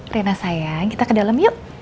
reena sayang kita ke dalem yuk